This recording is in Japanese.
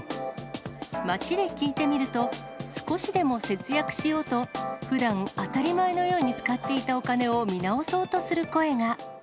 街で聞いてみると、少しでも節約しようと、ふだん当たり前のように使っていたお金を見直そうとする声が。